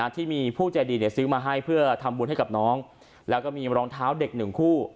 ที่มีผู้ใจดีซื้อมาให้เพื่อทำบุญให้กับน้องแล้วก็มีรองเท้าเด็กหนึ่งคู่